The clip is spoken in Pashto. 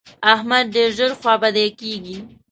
احمد ډېر ژر خوابدی کېږي.